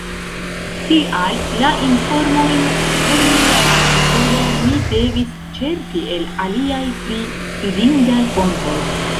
Tial la informojn por mia artikolo mi devis ĉerpi el aliaj, pli fidindaj fontoj.